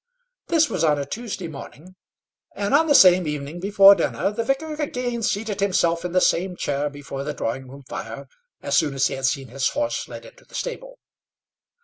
This was on a Tuesday morning, and on the same evening, before dinner, the vicar again seated himself in the same chair before the drawing room fire, as soon as he had seen his horse led into the stable.